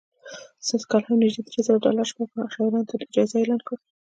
سږ کال یې هم نژدې درې زره ډالره شپږو شاعرانو ته جایزه اعلان کړه